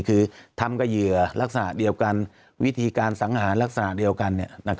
คือทำกับเหยื่อลักษณะเดียวกันวิธีการสังหารลักษณะเดียวกัน